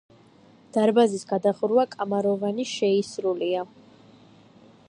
დარბაზის გადახურვა კამაროვანი შეისრულია.